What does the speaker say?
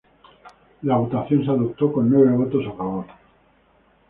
La votación se adoptó con nueve votos a favor.